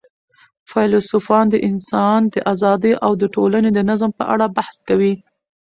فیلسوفان د انسان د آزادۍ او د ټولني د نظم په اړه بحث کوي.